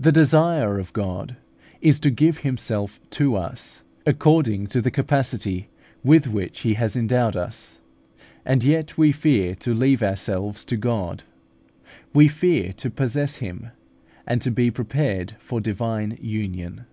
The desire of God is to give Himself to us, according to the capacity with which He has endowed us; and yet we fear to leave ourselves to God! We fear to possess Him, and to be prepared for divine union!